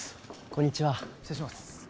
こんにちは失礼します